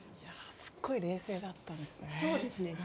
すごい冷静だったんですね。